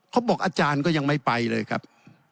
เขาบอกอาจารย์ก็ยังไม่ไปเลยครับ